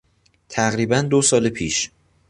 تقریبا دو سال پیش